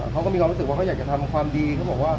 เขาก็มีรู้สึกว่าเขาอยากจะทำความดี